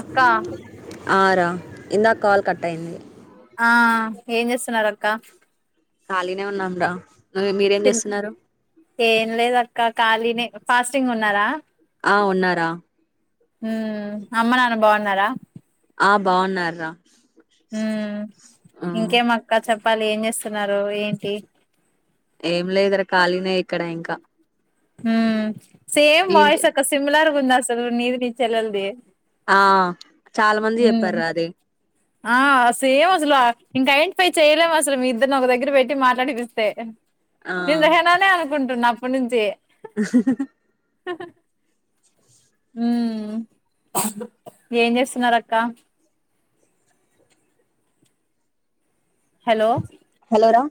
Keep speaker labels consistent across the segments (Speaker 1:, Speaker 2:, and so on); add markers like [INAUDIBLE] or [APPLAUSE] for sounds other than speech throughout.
Speaker 1: అక్కా
Speaker 2: ఆ రా ఇందాక కాల్ కట్ అయింది.
Speaker 1: ఆ ఏం చేస్తున్నారు అక్క?
Speaker 2: ఖాళీనే ఉన్నాం రా నువ్ మీరేం
Speaker 1: తిన్
Speaker 2: చేస్తున్నారు?
Speaker 1: ఏం లేద్ అక్క ఖాళీనే ఫాస్టింగ్ ఉన్నారా?
Speaker 2: ఆ ఉన్నారా.
Speaker 1: ఉమ్ అమ్మ నాన్న బాగున్నారా?
Speaker 2: ఆ బాన్నరురా.
Speaker 1: హ్మ్ ఇంకేమక్క చెప్పాలి ఏం చేస్తున్నారు ఏంటి?
Speaker 2: ఏం లేదు ర ఖాళీనే ఇక్కడ ఇంకా.
Speaker 1: హ్మ్ సేమ్
Speaker 2: ఏంటి
Speaker 1: వాయిస్ అక్క సిమ్లర్ గా ఉంది. అస్సలు నీది నీ చెల్లల్దీ.
Speaker 2: ఆ చాలా మంది ఎప్పారు రా అది.
Speaker 1: ఆ సేమ్ అసలు ఇంకా ఐడెంటిఫై చేయలేము అసలు మీ ఇద్దరిని ఒక దగ్గర పెట్టి మాట్లాడిపిస్తే
Speaker 2: ఆ
Speaker 1: నేను రెహానానే అనుకుంటున్నా అప్పట్ నుంచి
Speaker 2: [UNINTELLIGIBLE]
Speaker 1: ఆ హ హ్మ్ ఏం చేస్తున్నారు అక్క? హలో
Speaker 2: హలోరా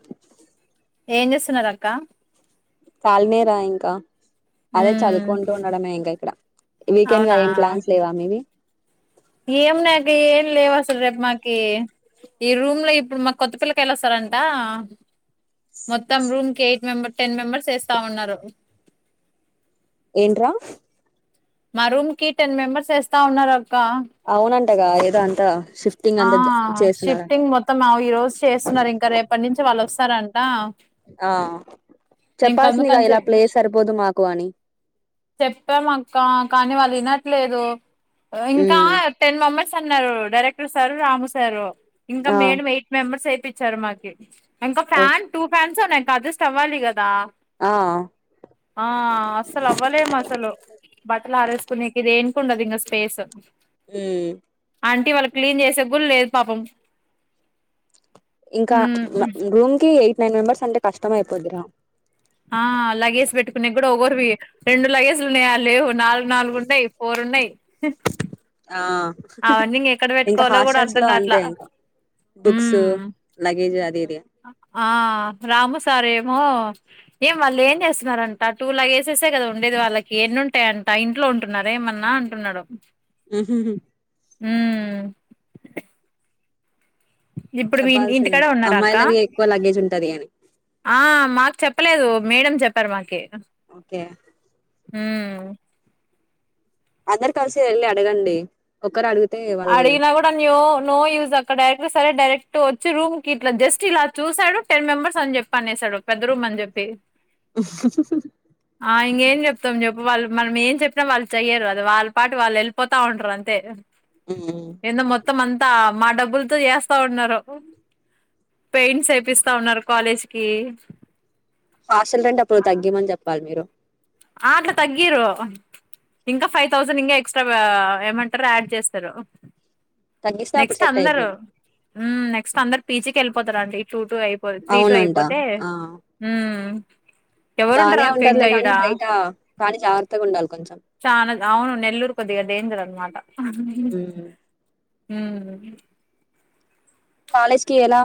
Speaker 1: ఏం చేస్తున్నారు అక్క?
Speaker 2: కాల్ మేర ఇంకా అదే
Speaker 1: ఉమ్
Speaker 2: చదువుకుంటూ ఉండడమే ఇంకా ఇక్కడ వీకెండ్ గా
Speaker 1: అవునా
Speaker 2: ఏం ప్లాన్స్ లేవా మీవి?
Speaker 1: ఏం ఉన్నాయి అక్క ఏమి లేవసలు రేపు మాకి.. ఈ రూమ్ లో ఇప్పుడు మాకు కొత్త పిల్లకియళొస్తారంట! మొత్తం రూమ్ కి ఎయిట్ మెంబర్ టెన్ మెంబర్స్ యేస్తా ఉన్నారు.
Speaker 2: ఏంట్రా?
Speaker 1: మా రూమ్ కి టెన్ మెంబెర్స్ యేస్తా ఉన్నారు అక్క
Speaker 2: అవునంటగా ఏదో అంతా షిఫ్టింగ్
Speaker 1: ఆ
Speaker 2: అంతా జ- చేస్తున్నారంట
Speaker 1: షిఫ్టింగ్ మొత్తం ఆవ్ ఈ రోజు చేస్తున్నారు ఇంకా రేపటి నుంచి వాళ్ళు వస్తారంట.
Speaker 2: ఆ
Speaker 1: ఇంక
Speaker 2: చెప్పాల్సిందిగా
Speaker 1: అందుకని
Speaker 2: ఇలా ప్లేస్ సరిపోదు మాకు అని
Speaker 1: చెప్పాం అక్క కానీ వాళ్ళు వినట్ లేదు ఇంకా
Speaker 2: ఉమ్
Speaker 1: టెన్ మెంబర్స్ అన్నారు. Director sir Ramu sir. ఇంకా
Speaker 2: ఆ
Speaker 1: మేడం ఎయిట్ మెంబర్స్ ఏపీచ్చారు. మాకి ఇంకా
Speaker 2: ఓ
Speaker 1: ఫ్యాన్ టూ ఫ్యాన్ స్ ఉన్నాయి ఇంకా అడ్జస్ట్ అవ్వలి కాద్
Speaker 2: ఆ
Speaker 1: ఆ అసలు అవ్వలేము అసలు బట్టలు ఆరేసుకునేకి ఇదేంట్ ఉండదు ఇంగ స్పేస్
Speaker 2: ఉమ్
Speaker 1: ఆంటీ ఇవాల్ క్లీన్ చేసేగుడ్ లేదు పాపం
Speaker 2: ఇంకా
Speaker 1: మ్మ్
Speaker 2: రూమ్ కి ఎయిట్ నైన్ మెంబెర్స్ అంటే కష్టం అయిపోద్దిరా.
Speaker 1: ఆ లగేజ్ పెట్టుకునేకు ఓవర్ వి రెండు లగేజ్ ఉన్నాయా ఆ లేవు నాలుగు నాలుగు ఉన్నాయి ఫోర్ ఉన్నాయి
Speaker 2: ఆ
Speaker 1: అవన్నీ ఇంగ ఎక్కడ
Speaker 2: ఇంకా
Speaker 1: పెట్టుకోవాలో కూడా
Speaker 2: హాస్టల్స్
Speaker 1: అర్ధం
Speaker 2: లో అంతే
Speaker 1: కాట్లా
Speaker 2: ఇంకా బుక్స్
Speaker 1: మ్మ్
Speaker 2: లగేజ్ అద్
Speaker 1: ఆ రాము సార్ ఏ ఓ ఏం వాళ్ళు ఏం చేస్తున్నారంట టూ లాగేసేసే కదా ఉండేది వాళ్ళకి ఎన్నింటాయంట ఇంట్లో ఉంటున్నారు ఏమన్నా అంటున్నాడు. ఇప్పుడు మీ ఈ
Speaker 2: చెప్పాల్సింది
Speaker 1: ఇంటికాడే ఉన్నారా అక్క
Speaker 2: అమ్మాయిలవి ఎక్కువ లగేజ్ ఉంటది అని
Speaker 1: ఆ మాక్ చెప్పలేదు. మేడం చెప్పారు మాకి
Speaker 2: ఓకే
Speaker 1: హ్మ్
Speaker 2: అందరు కలిసి వెళ్ళి అడగండి ఒక్కరు అడుగుత్
Speaker 1: అడిగినా కూడా న్యో నో యూజ్ అక్కడ డైరెక్ట్ సరే డైరెక్ట్ టు వచ్చి రూమ్ కి ఇట్లా జస్ట్ ఇలా చూసాడు టెన్ మెంబర్స్ అని చెప్ప అనేసాడు పెద్ద రూమ్ అని చెప్పి
Speaker 2: [UNINTELLIGIBLE]
Speaker 1: ఆ ఎంగేం చెప్తాం చెప్పు వాళ్ళు మనం ఏం చెప్పినా వాళ్ళు చెయ్యరు. కదా వాళ్ళ పాటు వాళ్ళు వెళ్ళిపోతా ఉంటారు అంతే
Speaker 2: ఉ ఉమ్
Speaker 1: ఏందో మొత్తం అంతా మా డబ్బులతో ఏస్తా ఉన్నారు. పెయింట్స్ ఏపిస్తా ఉన్నారు కాలేజ్కి
Speaker 2: హాస్టల్ రెంట్ అప్పుడు తగ్గియమని చెప్పాలి మీరు
Speaker 1: ఆ అట్లా తగ్గియరు. ఇంకా ఫైవ్ థౌసండ్ ఇంకా ఎక్స్ట్రా ఏమంటారు యాడ్ చేస్తారు.
Speaker 2: తగ్గిస్తే అప్పుడు
Speaker 1: నెక్స్ట్
Speaker 2: సెట్
Speaker 1: అందరూ
Speaker 2: అయిపోద్ది
Speaker 1: నెక్స్ట్ అందరు పీజికి వెళ్ళిపోతారండి టూ టూ అయిపో త్రీ టూ
Speaker 2: అవునంట
Speaker 1: అయిపోతే
Speaker 2: ఆ
Speaker 1: హ్మ్
Speaker 2: బానే ఉంటదిలే గానీ బయట కానీ జాగ్రత్తగా ఉండాలి. కొంచెం
Speaker 1: చానా అవును నెల్లూరు కొద్దిగా డేంజర్ అనమాట
Speaker 2: ఉమ్
Speaker 1: హ్మ్
Speaker 2: కాలేజ్కి ఎలా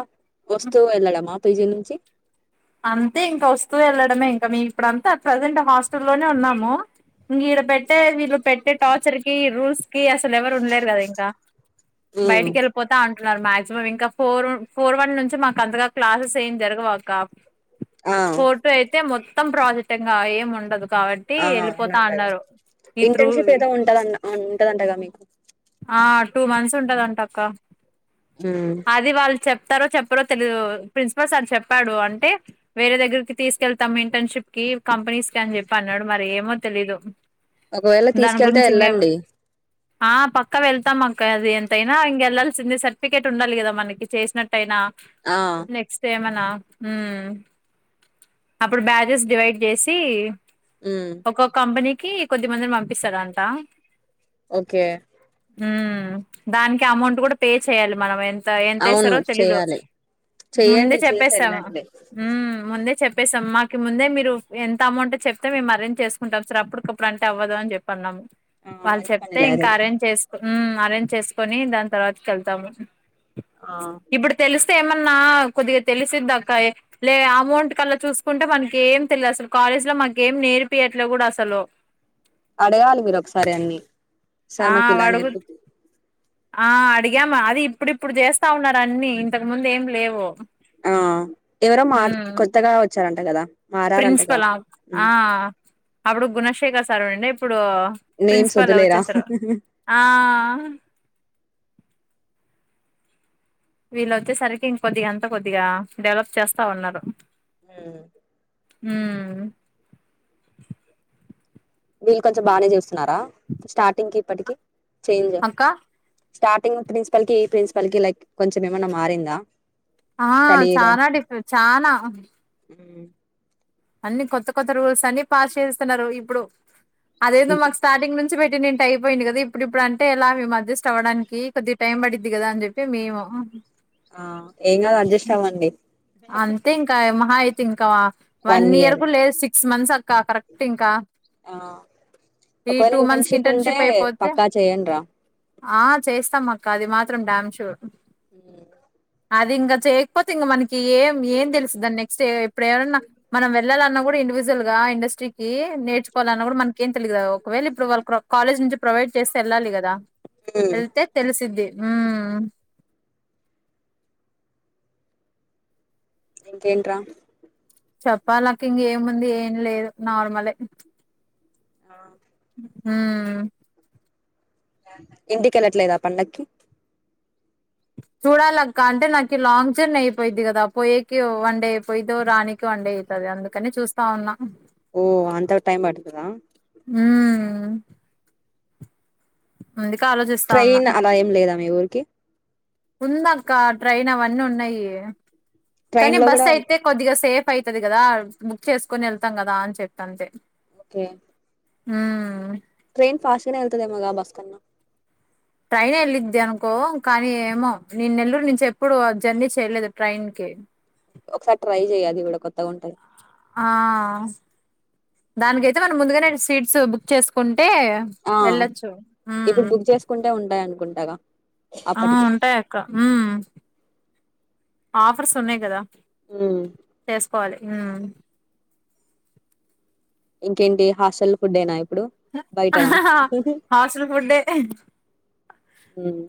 Speaker 2: వస్తూ వెళ్ళడం ఆ పీజి నుంచి
Speaker 1: అంతే ఇంకా వస్తూ వెళ్ళడమే ఇంకా మేము ఇప్పుడంతా ప్రజెంట్ హాస్టల్లోనే ఉన్నాము. ఇంగిడ పెట్టే వీళ్లు పెట్టే టార్చర్ కి రూల్స్ కి అసలు ఎవరు ఉండలేరు కదా ఇంకా
Speaker 2: ఉమ్
Speaker 1: బయటికి వెళ్ళిపోతా అన్ అంటున్నారు మాక్సిమం ఇంకా ఫోర్ ఫోర్ వన్ నుంచి మాకు అంతగా క్లాసెస్ ఏం జరగవక్క
Speaker 2: ఆ
Speaker 1: ఫోటో అయితే మొత్తం ప్రాజెక్టుంగా ఏం ఉండదు. కావట్టి
Speaker 2: ఆ
Speaker 1: వెళ్ళిపోతా
Speaker 2: అవునంటగా
Speaker 1: అన్నారు ఈ త్రూ
Speaker 2: ఇంటర్న్షిప్ ఏదో ఉంటదన్ ఉంటదంటగా మీకు
Speaker 1: ఆ టూ మంత్స్ ఉంటుదంట అక్క
Speaker 2: ఉమ్
Speaker 1: అది వాళ్ళు చెప్ చెప్తరో చెప్పరో తెలిదు ప్రిన్సిపల్ సార్ చెప్పాడు. అంటే వేరే దగ్గరకి తీసుకెళ్తాము ఇంటర్న్షిప్ కి ఈ కంపెనీస్కి అని చెప్పి అన్నాడు మరి ఏమో తెలీదు.
Speaker 2: ఒకవేళ
Speaker 1: దాని
Speaker 2: తీసుకెళ్తే
Speaker 1: గురించి ఇంకేం
Speaker 2: ఏళ్ళండి.
Speaker 1: ఆ పక్కా వెళ్తాం అక్క అది ఎంతైనా ఇంగేళ్లాల్సిందే సర్టిఫికెట్ ఉండాలి. కదా మనకి చేసినట్టు యినా
Speaker 2: ఆ
Speaker 1: నెక్స్ట్ ఏమనా ఉమ్ అప్పుడు బ్యాజెస్ డివైడ్ చేసి
Speaker 2: ఉమ్
Speaker 1: ఒక్కో కంపెనీకి కొద్ది మందిని పంపిస్తార్ అంటా
Speaker 2: ఓకే
Speaker 1: ఉమ్ దానికి అమౌంట్ కూడా పే చేయ్యాలి మనం ఎ త
Speaker 2: అవును
Speaker 1: ఎంతస్తారో తెలీదు
Speaker 2: చెయ్యాలి
Speaker 1: ముందే
Speaker 2: చెయ్యండి చేసి
Speaker 1: చెప్పేస్తాం.
Speaker 2: వెళ్ళండి
Speaker 1: ఉమ్ ముందే చెప్ చెప్పేసాం మాకు ముందే మీరు ఎంత అమౌంట్ చెప్తే మేము అరేంజ్ చేసుకుంటాం సార్ అప్పుటికప్పుడు అంటే అవ్వదు అని జెప్ప్ అన్నాము.
Speaker 2: ఆ
Speaker 1: వాళ్ళు
Speaker 2: మంచి
Speaker 1: చెప్తే
Speaker 2: పనిలే
Speaker 1: ఇంకా
Speaker 2: అది
Speaker 1: అరేంజ్ చేసుకు అరేంజ్ చేసుకొని దాని తర్వాతకి వెళ్తాము.
Speaker 2: ఆ
Speaker 1: ఇప్పుడు తెలుస్ త్ ఏమన్నా కొద్దిగా తెలిసిదిక్క లే అమౌంట్ కలా చూసుకుంటే మనకి ఏం తెలిదు అసలు క కాలేజ్లో మాగేం నేర్పియట్లే కూడా అసలు
Speaker 2: అడగాలి మీరొకసారి అన్ని
Speaker 1: ఆ
Speaker 2: సార్మకిిలా
Speaker 1: అడుగు
Speaker 2: నేర్పు
Speaker 1: ఆ అడిగామ్ అది ఇప్పుడుప్పుడు చేస్తా ఉన్నారు అన్ని ఇంతకు ముందు ఏం లేవు.
Speaker 2: ఆ ఎవరో మాట్
Speaker 1: మ్మ్
Speaker 2: కొత్తగా వచ్చారంట కదా మారారంటగా
Speaker 1: ప్రిన్సిపల్ ఆ ఆ అప్పుడు గుణశేఖర్ సారు ఉండే ఇప్పుడు ఇప్పుడు
Speaker 2: నేమ్స్
Speaker 1: ప్రిన్సిపాల్
Speaker 2: వద్దులేరా
Speaker 1: వచ్చేసారు ఆ వీళ్ళు వచ్చేసరికి ఇంకొద్దిగా అంతా కొద్దిగా డెవలప్ చేస్తా ఉన్నారు.
Speaker 2: ఉమ్
Speaker 1: ఉమ్
Speaker 2: వీళ్ళు కొంచెం బానే చేస్తున్నారా స్టార్టింగ్కి ఇప్పటికి చేంజ్
Speaker 1: అక్క
Speaker 2: స్టార్టింగ్ ప్రిన్సిపల్కిఈ ప్రిన్సిపల్కి లైక్ కొంచెం ఏమన్నా మారిందా?
Speaker 1: ఆ
Speaker 2: స్టడీలో
Speaker 1: చానా డిఫరెంట్ చానా అన్ని కొత్త కొత్త రూల్స్ అన్ని పాస్ చేసేస్తున్నారు. ఇప్పుడు అదేదో మాకు స్టార్టింగ్ నుంచి చ్ పెట్టింటి అయిపోయింది. కదా ఇప్పుడు ఇప్పుడు అంటే ఇలా మేము అడ్జస్ట్ అవ్వడానికి కొద్ది టైం పడిద్ది కదాని చెప్పి మేము
Speaker 2: ఆ ఏం గాద్ అడ్జస్ట్ అవ్వండి.
Speaker 1: అంతే ఇంకా యమహా అయితే ఇంకా వన్ ఇయర్ కు లేదు. సిక్ సిక్స్ మంత్స్ అక్క కరెక్ట్ ఇంకా
Speaker 2: ఆ
Speaker 1: ఈ
Speaker 2: ఒకవేళ
Speaker 1: టూ మంత్స్ కి
Speaker 2: ఉంటే
Speaker 1: ఇంటర్న్షిప్ అయిపోతే
Speaker 2: పక్కా చేయండి రా
Speaker 1: ఆ చేస్తాం అక్ అది మాత్రం డ్యామ్ షూర్
Speaker 2: ఉమ్
Speaker 1: అది ఇంగ చేయకపోతే ఇంగ మనకి ఏం ఏం తెలుసుద్ దాని నెక్స్ట్ ఎప్పుడు ఎవరన్నా మనం వెళ్లాలన్నా కూడా ఇండివిజువల్ గా ఇండస్ట్రీకీ నేర్చుకోల అన్న కూడా మనకేం తెలిదు కదా ఒకవేళ ఇప్పుడు వాళ్ళు క్రా కాలేజ్ నుంచి ప్రొవైడ్ చేస్తే వెళ్ళాలి కదా ఏళ్తే తెలిసిద్ది ఊమ్
Speaker 2: ఇంకేంట్రా?
Speaker 1: చెప్పాలక్క ఇంగేముంది ఏం లేదు. నార్మలే
Speaker 2: ఆ
Speaker 1: ఊమ్
Speaker 2: ఇంటికెళ్ళట్లేదా పండక్కి? [UNINTELLIGIBLE]
Speaker 1: చూడాలక్క అంటే నాకి లాంగ్ జర్నీ అయిపోయిద్ది కదా పోయేకి వన్ డే పోయితో రానికి వన్ డే అయితది. ఇగ అందుకని చూస్తా ఉన్న
Speaker 2: ఓ అంత టైమ్ పడతదా.
Speaker 1: ఉమ్ అందుకే ఆలోచిస్తా ఉన్నా
Speaker 2: ట్రైన్ అలా ఏం లేదా మీ ఊరికి
Speaker 1: ఉందక్క ట్రైన్ అవన్నీ ఉన్నయి
Speaker 2: ట్రైన్
Speaker 1: కానీ
Speaker 2: లో
Speaker 1: బస్
Speaker 2: కూడా
Speaker 1: అయితే కొద్దిగా సేఫ్ అయితది కదా బుక్ చేసుకుని వెళ్తాం కదా అని చెప్పి అంతే
Speaker 2: ఓకే
Speaker 1: హ్మ్
Speaker 2: ట్రైన్ ఫాస్ట్ గానే వెళ్తదేమోగా బస్ కన్నా
Speaker 1: ట్రైన్ వెళ్ళిద్ది అనుకో కానీ ఏమో నేను నెల్లూరు నుంచి ఎప్పుడు ఆ జర్నీ చేయలేదు ట్రైన్ కి కే
Speaker 2: ఒకసారి ట్రై చెయి‌ అది‌ కూడా కొత్తగుంటది.
Speaker 1: ఆ దానికయితే మనం ముందుగనే సీట్సు బుక్ చేసుకున్ ట్టే
Speaker 2: ఆ
Speaker 1: ఎళ్లొచ్చు ఉమ్
Speaker 2: ఇప్పుడు బుక్ చేసుకుంటే ఉంటాయి అనుకుంటాగా
Speaker 1: ఆ
Speaker 2: అప్పటికి
Speaker 1: ఉంటాయ్ అక్క‌ ఉమ్ ఆఫర్స్ ఉన్నాయ్ కదా
Speaker 2: ఉమ్
Speaker 1: కోవాలి ఉమ్
Speaker 2: ఇంకేంటి హాస్టల్ ఫుడ్ ఏనా ఇప్
Speaker 1: ఆ హాస్టల్ ఫుడ్డే
Speaker 2: ఉమ్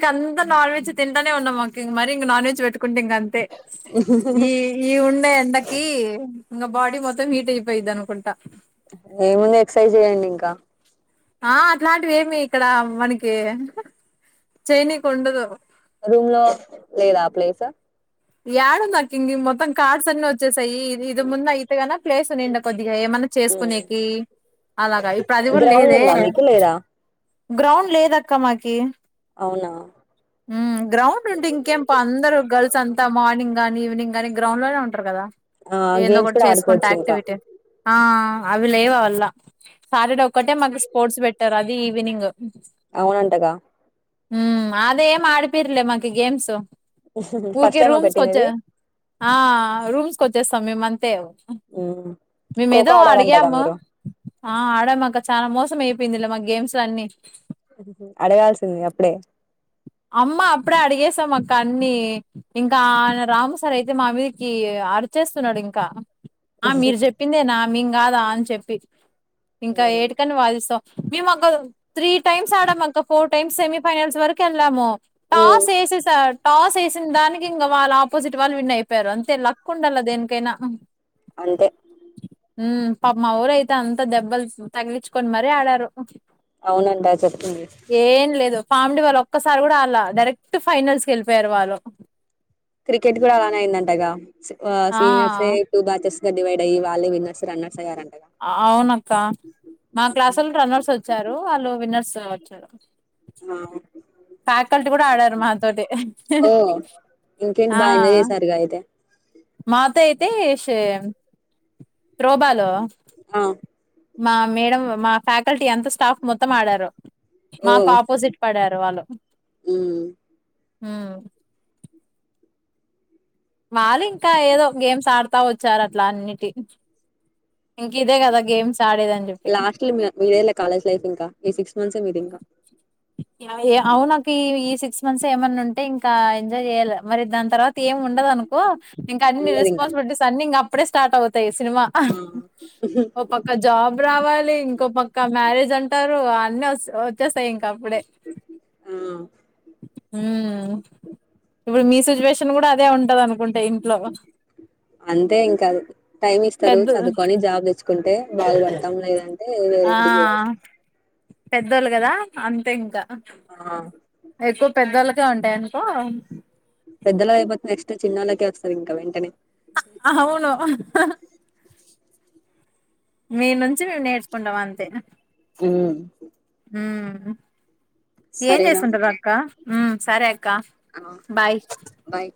Speaker 1: ఇంకా అంత నాన్ వెెజ్ తింటనే ఉన్నాం మాకు ఇ మరి నాన్ వెెజ్ వెట్ కుంటే ఇంగ అంతే ఈ ఈ ఉండే ఎండకి ఇంగ బడీ మొత్తం హీట్ అయిపోయిద్ది. అనుకుంటా
Speaker 2: ఏముంది ఎక్సర్సైజ్ చెయ్యండి ఇంకా
Speaker 1: ఆ అట్లాంటివి ఏమి ఇక్కడ మనకి చైనీకు ఉండదు.
Speaker 2: రూమ్ లో లేదా ఆ ప్లేస్
Speaker 1: ఏడుంది అక్క ఎంగింగ్ మొత్తం కార్డ్సన్ వచ్చే ఈ ఇది ముందు అయితేగా ప్లేసు నిండ కొద్దిగా ఏమన
Speaker 2: హ్మ్
Speaker 1: చేసుకునేకి అలాగా ఇప్పుడు అది కూడా లేదే.
Speaker 2: అ
Speaker 1: గ్రౌండ్ లేదక్క మాకి
Speaker 2: అవునా
Speaker 1: ఉమ్ గ్రౌండ్ ఉంటే ఇంకేం అందరు గర్ల్స్ అంతా మార్నింగ్ గానీ ఈవినింగ్ గానీ గ్రౌండ్ లోనే ఉంటరు కదా
Speaker 2: ఆ
Speaker 1: ఏందో
Speaker 2: గేమ్స్
Speaker 1: ఒక
Speaker 2: కూడా
Speaker 1: చేసుకుంటా
Speaker 2: ఆడుకోవచ్చు ఇంకా
Speaker 1: యాక్టివిటీ ఆ అవి లేవు అ వల్ల సాటర్డే ఒక్కటే మాకు స్పోర్ట్స్ పెట్టారు అది ఈవినింగ్
Speaker 2: అవునంటగా
Speaker 1: ఉమ్ అదే ఏం ఆడిపిర్లే మకి గేమ్స్
Speaker 2: ఫస్ట్
Speaker 1: ఊరికే
Speaker 2: టైమా
Speaker 1: రూమ్స్కి
Speaker 2: పెట్టింది
Speaker 1: వచ్చే
Speaker 2: ఇది
Speaker 1: ఆ రూమ్స్కి వచ్చేస్తాం మేం అంతే
Speaker 2: మ్మ్
Speaker 1: మేము ఏదో
Speaker 2: ఖోఖో ఆడారంటగా
Speaker 1: అడిగాము
Speaker 2: మీరు
Speaker 1: ఆ ఆడేమాక్ చానా మోసం పిందిలో మా గేమ్స్ అన్నీ
Speaker 2: అడగాల్సింది అప్పుడే
Speaker 1: అమ్మ అప్పుడే అడిగసాం అక్క అన్ని ఇంకా ఆయన రాముసార్ అయితే మా మీదికి ఆడు అరిచేస్తున్నాడు. ఇంకా ఆ మీరు చెప్పిందేనా మేం కాదా అని చెప్పి ఇంకా ఏటుకని వాదిస్తాం మేము ఒక త్రీ టైమ్స్ ఆడాంఅక్కా ఫోర్ టైమ్స్ సెమీఫైనల్స్ వరకు వెళ్ళమో
Speaker 2: మ్మ్
Speaker 1: టాస్ ఏసే స టాస్ ఏసిన దానిక్ ఇంకా వాళ్ళ ఆపోజిట్ వాళ్ళు విన్న అయిపోరు అంతే లక్ ఉండాల దేనికైనా
Speaker 2: అంతే
Speaker 1: ఉమ్ పాప్ మాఒళ్ళైతే అంతా దెబ్బలు తగిలించుకొని మరీ ఆడారు.
Speaker 2: అవునంటా చెప్తుంది.
Speaker 1: డి వాళ్ళు ఒక్కసారి కూడా అడ్లా డైరెక్ట్ ఫైనల్స్ కి వెళిపోయారు వాళ్ళు
Speaker 2: క్రికెట్ కూడా అలానే అయిందంటగా
Speaker 1: ఆ
Speaker 2: సీనియర్స్ టూ బ్యాచేస్ గ డివైడ్ అయ్యి వల్లే విన్నర్స్ రన్నర్స్ అయ్యారన్
Speaker 1: అవునక్క మా క్లాసుళ్ళు రన్నర్స్ వచ్చారు. వాళ్ళు విన్నర్స్ వచ్చారు
Speaker 2: ఆ
Speaker 1: ఫ్యాకల్టీ కూడా ఆడారు మాతోటి
Speaker 2: ఓ ఇంకేంటి
Speaker 1: ఆ
Speaker 2: బాగా ఎంజాయ్ చేసారుగా అయితే
Speaker 1: మాతో అయితే షే త్రో బాల్
Speaker 2: ఆ
Speaker 1: మా మేడం మా ఫ్యాకల్టీ అంత స్టాఫ్ మొత్తం ఆడారు.
Speaker 2: ఓ
Speaker 1: మాకు ఆపోజిట్ పడారు వాళ్ళు
Speaker 2: మ్మ్
Speaker 1: వాళ్ళు ఇంకా ఏదో గేమ్స్ ఆడతా వచ్చారు అట్లా అన్నిటి ఇంక ఇదే కదా గేమ్స్ ఆడేదని చెప్పి
Speaker 2: లాస్ట్ లో మీ మీదేలా కాలేజ్ లైఫ్ ఇంకా ఈ సిక్స్ మంత్స్ మీది ఇంకా
Speaker 1: అవు నాకు ఈ ఈ సిక్స్ మంత్స్ ఏమన్నా ఉంటే ఇంకా ఎంజాయ్ చేయాలి. మరి దాని తర్వాత ఏం ఉండదు. అనుకో ఇంకా అన్ని
Speaker 2: ఉండదు ఇంకా
Speaker 1: రెస్పాన్సిబిలిటీస్ అన్ని ఇంక అప్పుడే స్టార్ట్ అవుత్ త్ యి సినిమా
Speaker 2: ఆ
Speaker 1: ఒ పక్క జాబ్ రావాలి ఇంకో పక్క మ్యారేజ్ అంటారు. అన్ని వస్ వచ్చేస్తాయి ఇంకా అప్పుడే
Speaker 2: ఆ
Speaker 1: ఉమ్ ఇప్పుడు మీసు సిచువేషన్ కూడా అదే ఉంటదనుకో
Speaker 2: అంతే ఇంకా టైం ఇస్ తాను
Speaker 1: పెద్ద
Speaker 2: చదువుకొని జాబ్ తెచ్చుకుంటే బాగు పెడతాం లేదంటే వేరే ఇంటికి పోవాల్సి
Speaker 1: పెద్దలు కదా అంతే ఇంకా
Speaker 2: ఆ
Speaker 1: ఎక్కువ పెద్దల్లోకే ఉంటాయనుకో
Speaker 2: పెద్దల్లోది అయిపోతే నెక్స్ట్ ఇంకా చిన్నోళ్లకే వస్తది ఇంకా వెంటనే
Speaker 1: ఆ అవును మీ నుంచి మేము నేర్చుకుంటాం అంతే
Speaker 2: ఉమ్
Speaker 1: ఉమ్ ఏం
Speaker 2: సరేరా
Speaker 1: చేస్తుంటారు అక్క ఉమ్ సరే అక్క
Speaker 2: ఆ
Speaker 1: బాయ్
Speaker 2: బాయ్